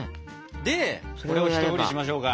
でこれを１振りしましょうか。